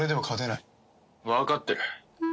わかってる。